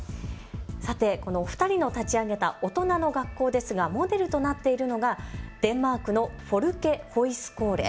さて、このお二人の立ち上げた大人の学校ですがモデルとなっているのがデンマークのフォルケホイスコーレ。